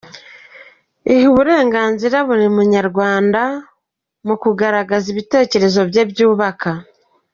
Iha uburenganzira buri munyarwanda mu kugaragaza ibitekerezo bye byubaka.